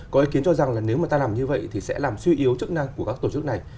có ý kiến cho rằng là nếu mà ta làm như vậy thì sẽ làm suy yếu chức năng của các tổ chức này